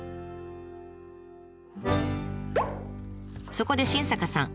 そこで新坂さん